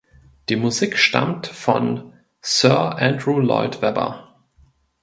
Die Musik stammt von Sir Andrew Lloyd Webber.